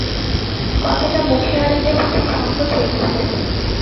কথাটা মুখে আনিতে বুঝি সংকোচ হইতেছে!